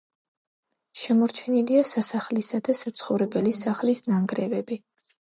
შემორჩენილია სასახლისა და საცხოვრებელი სახლის ნანგრევები.